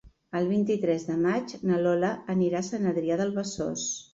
El vint-i-tres de maig na Lola anirà a Sant Adrià de Besòs.